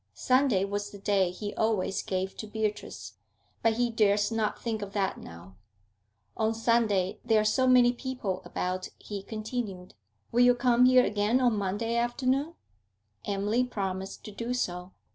Sunday was the day he always gave to Beatrice. But he durst not think of that now. 'On Sunday there are so many people about,' he continued. 'Will you come here again on Monday afternoon?' Emily promised to do so.